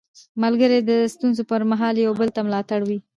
ملګري د ستونزو پر مهال یو بل ته ملا تړ وي